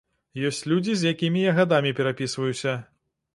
Ёсць людзі, з якімі я гадамі перапісваюся.